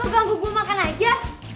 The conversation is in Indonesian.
lo ganggu gue makan aja